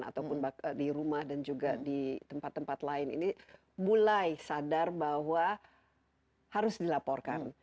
ataupun di rumah dan juga di tempat tempat lain ini mulai sadar bahwa harus dilaporkan